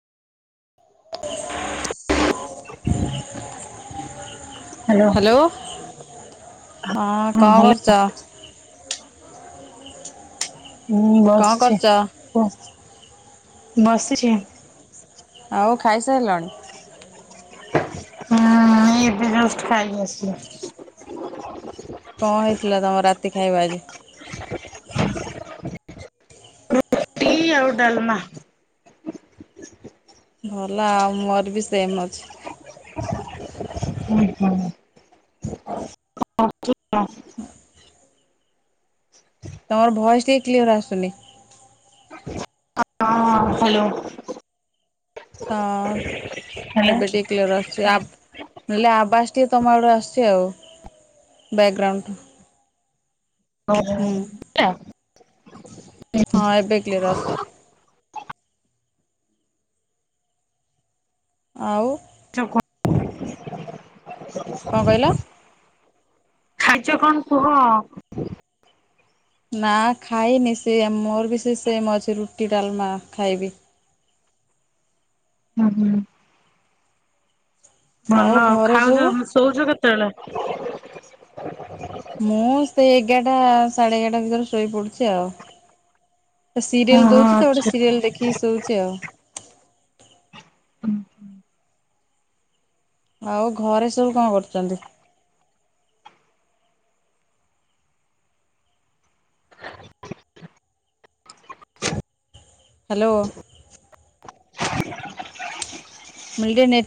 Hello hello. ହଁ କଁ କରୁଚ? ମୁଁ କଣ ବସଛି କରୁଛ କୁହ ବସିଛି। ଆଉ ଖାଇସାରିଲଣି? ହୁଁ ଏଇ ଏବେ ଜଷ୍ଟ ଖାଇକି ଆସିଲି। କଣ ହେଇଥିଲା ତମର ରାତି ଖାଇବା ଆଜି? [inaudible] ରୁଟି ଆଉ ଡାଲମା। ଭଲ ଆଉ ମୋର ବି ସେମ ଅଛି। ହୁଁ, ହୁଁ। [inaudible] ହଁ। [inaudible] ତମର ଭଏଜ ଟିକେ କ୍ଲିଅର ଆସୁନି। ହଁ ହାଲୋ। ହାଲୋ। କ୍ଲିଅର ଆସୁଛି ଆବା ନହେଲେ ଆବାଜ ଟିକେ ତମ ଆଡୁ ଆସଛି ଆଉ ବ୍ୟାକ୍ ଗ୍ରାଉଣ୍ଡ ଓ ହୋ ଶୁଭିଲା, ହୁ ହଁ ହୁଁ। ଏବେ କ୍ଲିୟର ଆସୁଚି ଆଉ। ଯଉ କ କଣ କହିଲ ଖାଇଚ କଣ କୁହ। ନା ଖାଇନି ସେ ମୋର ବି ସେଇ ସେମ୍ ଅଛି ରୁଟି, ଡାଲମା ଖାଇବି। ଉ, ହୁଁ। ଭଲ ଆଉ ଘରେ ଖାଉଛ ସବୁ ଶୋଉଛ କେତେବେଳେ? ମୁଁ ସେଇ ଏଗାରଟା ସାଢେ ଏଗାରଟା ଭିତରେ ଶୋଇପଡୁଛି ଆଉ। ସିରିଏଲ ଓହୋ ଦଉଛି ତ ଗୋଟେ ଆଚ୍ଛା ସିରିଏଲ ଦେଖିକି ଶଉଛି ଆଉ। ଆଉ ଘରେ ସବୁ କଣ କରୁଛନ୍ତି? [inaudible] ହାଲୋ। [inaudible] ମିଲ ଡ଼େ ନେ